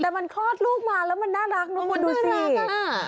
แต่มันคลอดลูกใหม่แล้วน่ารักนู้นหนูสนิท